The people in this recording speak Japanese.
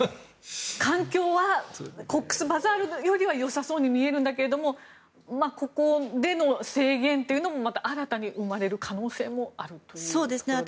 環境はコックスバザールのよりは良さそうに見えるけどここでの制限というのもまた新たに生まれる可能性もあるということでしょうか。